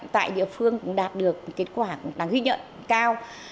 tại địa phương cũng đạt được kết quả đáng ghi nhận cao